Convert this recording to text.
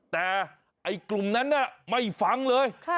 แต่ไอ้กลุ่มนั้นไม่ฟังเลย